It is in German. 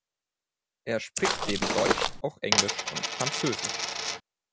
Er spricht neben Deutsch auch Englisch und Französisch.